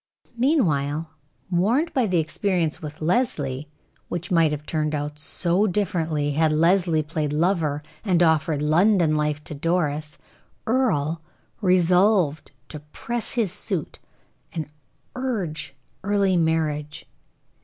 Meanwhile, warned by the experience with Leslie, which might have turned out so differently, had Leslie played lover, and offered London life to Doris, Earle resolved to press his suit, and urge early marriage.